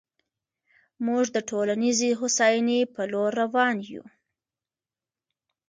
موږ د ټولنیزې هوساینې په لور روان یو.